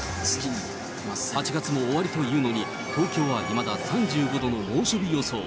８月も終わりというのに、東京はいまだ３５度の猛暑日予想。